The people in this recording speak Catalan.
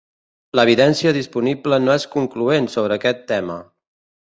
L'evidència disponible no és concloent sobre aquest tema.